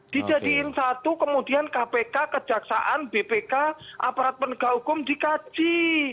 dijadikan satu kemudian kpk kejaksaan bpk aparat penggauhukum dikaji